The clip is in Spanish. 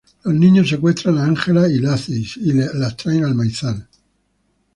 Los niños secuestran a Ángela y Lacey y las traen al maizal.